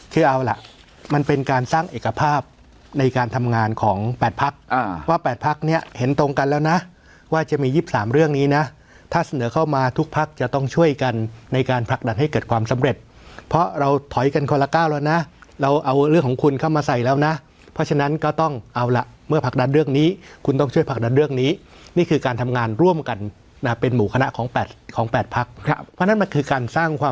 การทำงานของ๘พักว่า๘พักเนี่ยเห็นตรงกันแล้วนะว่าจะมี๒๓เรื่องนี้นะถ้าเสนอเข้ามาทุกพักจะต้องช่วยกันในการผลักดันให้เกิดความสำเร็จเพราะเราถอยกันคนละ๙แล้วนะเราเอาเรื่องของคุณเข้ามาใส่แล้วนะเพราะฉะนั้นก็ต้องเอาละเมื่อผลักดันเรื่องนี้คุณต้องช่วยผลักดันเรื่องนี้นี่คือการทำงานร่วมกันเป็นหมู่คณะ